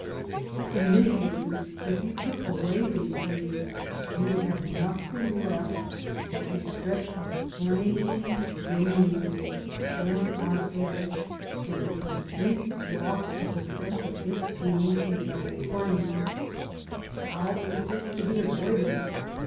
In many cases if you took away these aids, you would have nothing left but a stretch of p lain green^ standing on ed^, with the complete loss of the sense of its being a level plain. How is this to be avoided?